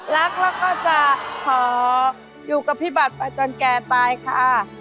รักแล้วก็จะขออยู่กับพี่บัตรไปจนแก่ตายค่ะ